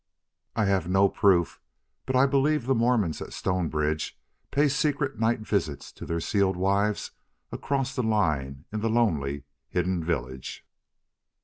I have no proof, but I believe the Mormons of Stonebridge pay secret night visits to their sealed wives across the line in the lonely, hidden village.